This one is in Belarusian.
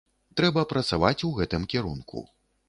Трэба працаваць у гэтым кірунку.